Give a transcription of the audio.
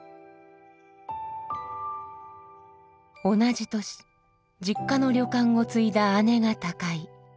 同じ年実家の旅館を継いだ姉が他界。